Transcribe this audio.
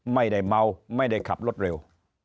ไม่ได้เมาไม่ได้ขับรถเร็ว